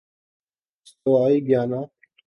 استوائی Guyana